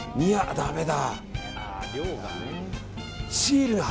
だめだ。